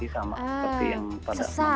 sama seperti yang pada saat